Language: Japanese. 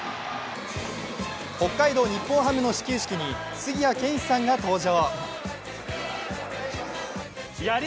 北海道日本ハムの始球式に杉谷拳士さんが登場。